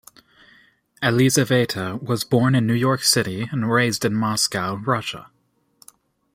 Elizaveta was born in New York City and raised in Moscow, Russia.